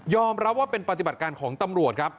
รับว่าเป็นปฏิบัติการของตำรวจครับ